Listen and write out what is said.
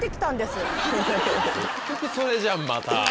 結局それじゃんまた。